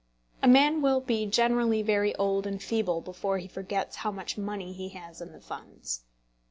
A man will be generally very old and feeble before he forgets how much money he has in the funds.